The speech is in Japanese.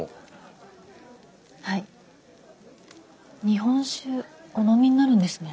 日本酒お飲みになるんですね。